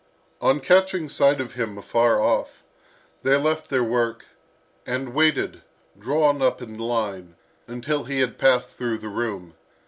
On catching sight of him afar off, they left their work, and waited, drawn up in line, until he had passed through the room.